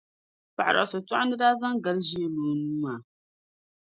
paɣidɔɣisotɔɣinda daa zaŋ gali ʒee lo o nuu maa.